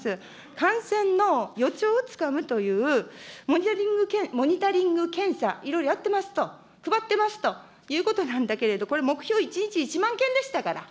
感染の予兆をつかむという、モニタリング検査、いろいろやってますと、配ってますということなんだけれども、これ、目標１日１万件でしたから。